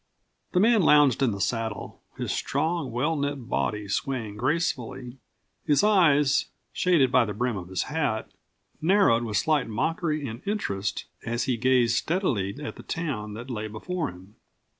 The man lounged in the saddle, his strong, well knit body swaying gracefully, his eyes, shaded by the brim of his hat, narrowed with slight mockery and interest as he gazed steadily at the town that lay before him.